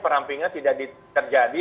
perampingan tidak terjadi